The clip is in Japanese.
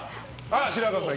白河さん。